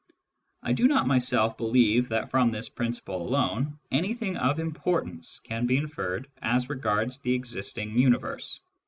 I do not myself believe that from this principle alone anything of importance can be inferred as regards the existing universe.